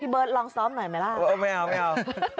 พี่เบิร์ดลองซ้อมหน่อยไหมล่ะไม่เอา